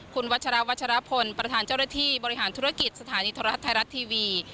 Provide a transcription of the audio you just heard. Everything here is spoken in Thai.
คุณวัชราวัชรพลประธานเจ้าหน้าที่บริหารธุรกิจสถานีโทรทัศน์ไทยรัฐทีวี